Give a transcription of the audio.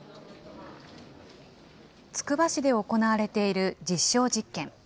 つくば市で行われている実証実験。